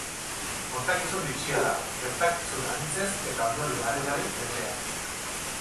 Kontakizun bitxia da, gertakizun anitzez eta ondorio harrigarriz betea.